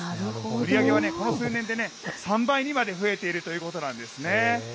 売り上げはこの数年で３倍にまで増えているということなんですね。